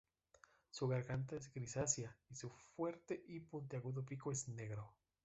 Su garganta es grisácea y su fuerte y puntiagudo pico es negro.